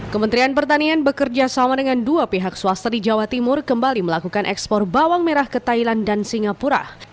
kementerian pertanian bekerjasama dengan dua pihak swasta di jawa timur kembali melakukan ekspor bawang merah ke thailand dan singapura